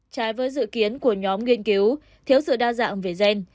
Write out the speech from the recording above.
trái với dự kiến của nhóm nghiên cứu thiếu sự đa dạng về gen